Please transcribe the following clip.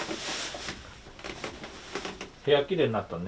部屋きれいになったね。